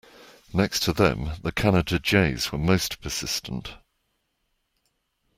Next to them the Canada jays were most persistent.